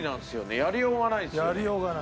やりようがない。